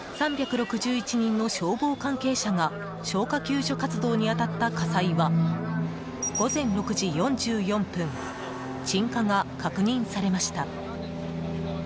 ３６１人の消防関係者が消火救助活動に当たった火災は午前６時４４分鎮火が確認されました。